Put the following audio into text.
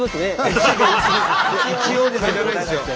「一応」とか要らないですよ。